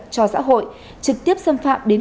cho xã hội trực tiếp xâm phạm đến